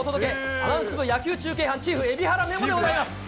アナウンス部野球中継チーフ蛯原メモでございます。